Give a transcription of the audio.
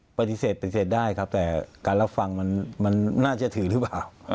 ปฏิเสธปฏิเสธได้ครับแต่การรับฟังมันน่าจะถือหรือเปล่า